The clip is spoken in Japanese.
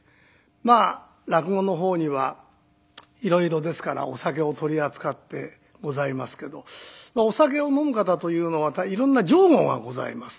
まあ落語の方にはいろいろですからお酒を取り扱ってございますけどお酒を飲む方というのはいろんな上戸がございます。